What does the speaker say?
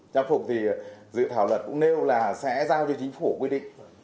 trang phục thì dự thảo luật cũng nêu là sẽ giao cho chính phủ quy định